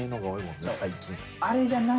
あれじゃない。